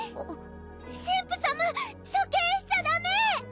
神父様処刑しちゃダメ！